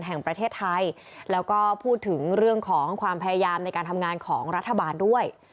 แห่งประเทศไทยแล้วก็พูดถึงเรื่องของความพยายามในการทำงานของรัฐบาลด้วย